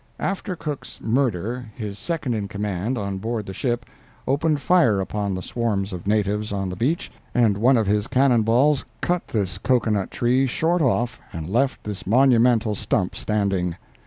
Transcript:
After Cook's murder, his second in command, on board the ship, opened fire upon the swarms of natives on the beach, and one of his cannon balls cut this cocoa nut tree short off and left this monumental stump standing.